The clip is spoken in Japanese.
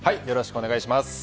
よろしくお願いします。